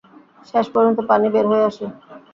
শেষ পর্যন্ত পানি বের হয়ে আসে।